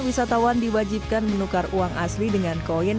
wisatawan diwajibkan menukar uang asli dengan koin